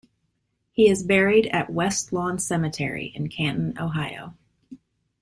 He is buried at West Lawn Cemetery in Canton, Ohio.